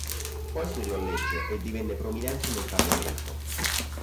Poi studiò legge e divenne prominente nel parlamento.